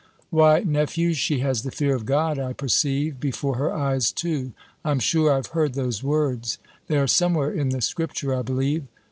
_'" "Why, nephew, she has the fear of God, I perceive, before her eyes too! I'm sure I've heard those words. They are somewhere in the Scripture, I believe!